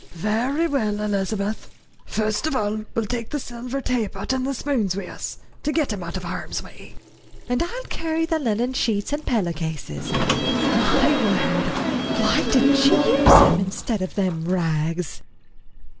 "Very well, Elizabeth. Fust of all, we'll take the silver taypot and the spoons wi' us, to get 'em out of harm's way." "And I'll carry the linen sheets and pillow cases. My word! why didn't she use 'em, instead of them rags?"